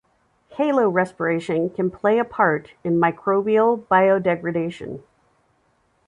Halorespiration can play a part in microbial biodegradation.